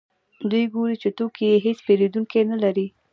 دوی ګوري چې توکي یې هېڅ پېرودونکي نلري